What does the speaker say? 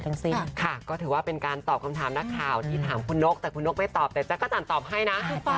ทั้งสิ้นค่ะก็ถือว่าเป็นการตอบคำถามนักข่าวที่ถามคุณนกแต่คุณนกไม่ตอบแต่จักรจันทร์ตอบให้นะ